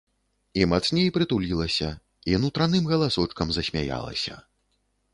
І мацней прытулілася, і нутраным галасочкам засмяялася.